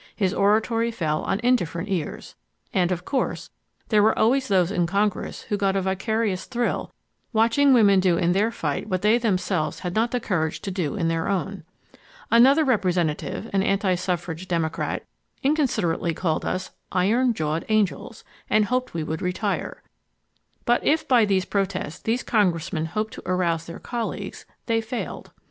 His oratory fell on indifferent ears. And of course there were always those in Congress who got a vicarious thrill watching women do in their fight what they themselves had not the courage to do in their own. Another representative, an anti suffrage Democrat, inconsiderately called us "Iron jawed angels," and hoped we would retire. But if by these protests these congressmen hoped to arouse their colleagues, they failed.